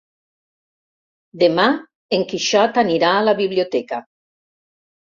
Demà en Quixot anirà a la biblioteca.